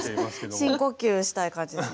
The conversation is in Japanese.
深呼吸したい感じです。